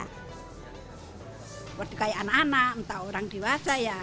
seperti kayak anak anak entah orang dewasa ya